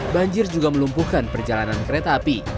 banjir juga melumpuhkan perjalanan kereta api